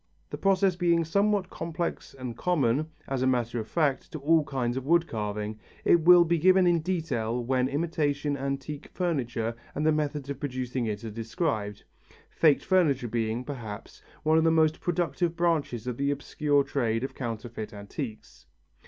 The process being somewhat complex and common, as a matter of fact, to all kinds of wood carving, it will be given in detail when imitation antique furniture and the methods of producing it are described; faked furniture being, perhaps, one of the most productive branches of the obscure trade of counterfeit antiques.